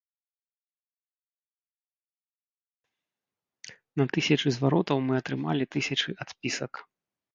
На тысячы зваротаў мы атрымалі тысячы адпісак.